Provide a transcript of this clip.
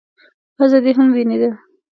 _پزه دې هم وينې ده.